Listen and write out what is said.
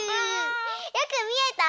よくみえた？